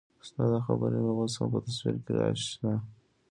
ستا دا خبره مې اوس هم په تصور کې راشنه